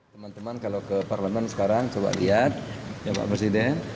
teman teman kalau ke parlemen sekarang coba lihat ya pak presiden